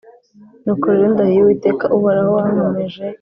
Nuko rero ndahiye Uwiteka uhoraho wankomeje